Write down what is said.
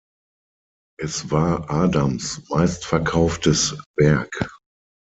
Es war Adams meistverkauftes Werk.